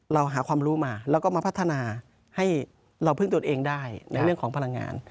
เราหาความรู้มาแล้วก็มาพัฒนาให้เราพึ่งตัวเองได้ในเรื่องของพลังงาน